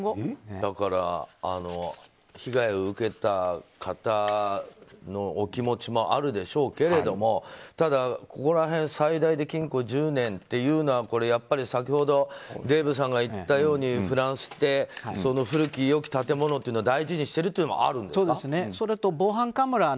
だから被害を受けた方のお気持ちもあるでしょうけれどもただ最大で禁錮１０年というのはやっぱり先ほどデーブさんが言ったようにフランスって古き良き建物を大事にしてるというのもあるんですか？